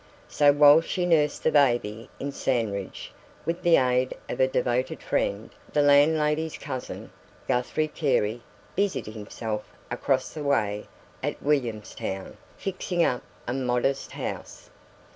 So while she nursed the baby in Sandridge with the aid of a devoted friend, the landlady's cousin Guthrie Carey busied himself across the way at Williamstown, fixing up a modest house.